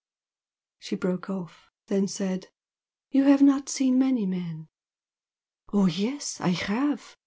She broke off, then said "You have not seen many men?" "Oh, yes, I have!"